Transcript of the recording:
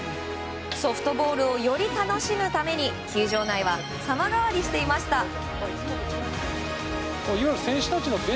ソフトボールをより楽しむために球場内は様変わりしていました。